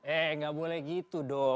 eh nggak boleh gitu dong